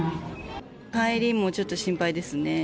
帰りもちょっと心配ですね。